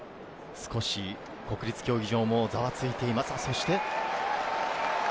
国立競技場も少しざわついています。